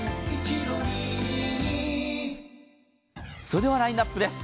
それではラインナップです。